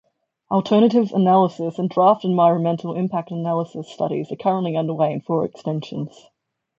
Alternatives Analysis and Draft Environmental Impact Analysis studies are currently underway on four extensions.